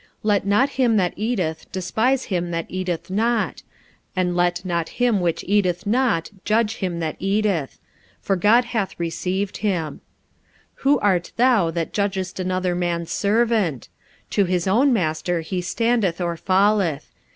45:014:003 Let not him that eateth despise him that eateth not; and let not him which eateth not judge him that eateth: for God hath received him. 45:014:004 Who art thou that judgest another man's servant? to his own master he standeth or falleth.